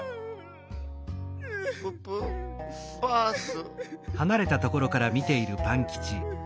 ププバース。